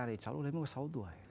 thì cháu lúc ấy mới có sáu tuổi